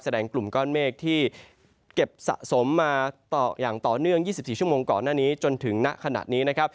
กลุ่มก้อนเมฆที่เก็บสะสมมาต่ออย่างต่อเนื่อง๒๔ชั่วโมงก่อนหน้านี้จนถึงณขณะนี้นะครับ